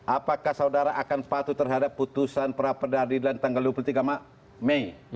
apakah saudara akan patuh terhadap putusan pra peradilan tanggal dua puluh tiga mei